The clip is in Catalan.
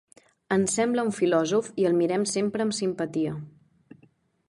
Ens sembla un filòsof i el mirem sempre amb simpatia.